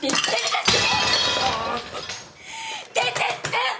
出てって！！